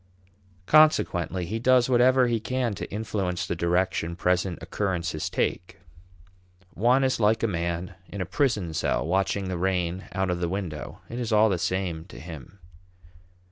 Consequently he does whatever he can to influence the direction present occurrences take. One is like a man in a prison cell watching the rain out of the window; it is all the same to him.